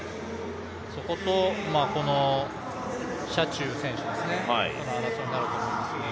そこと、この謝智宇選手との争いになると思いますね。